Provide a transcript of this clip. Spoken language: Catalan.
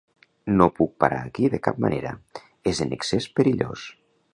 No puc parar aquí de cap manera, és en excés perillós.